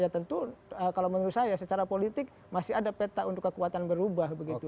ya tentu kalau menurut saya secara politik masih ada peta untuk kekuatan berubah begitu